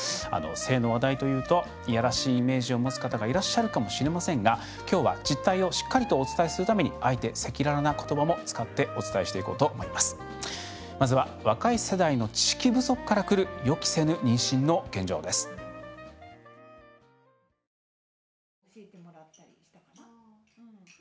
性の話題というといやらしいイメージを持つ方もいらっしゃる方もいるかもしれませんがきょうは実態をしっかりとお伝えするためにあえて赤裸々なことばも使って、お伝えしていこうと思います。